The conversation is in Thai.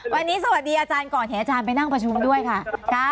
วันนี้สวัสดีอาจารย์ก่อนไปนั่งประชุมด้วยค่ะ